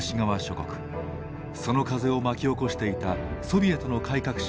その風を巻き起こしていたソビエトの改革者